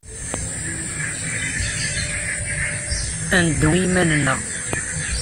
Ad neddu i yiman-nneɣ.